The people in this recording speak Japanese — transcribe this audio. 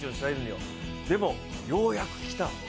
でも、ようやくきた。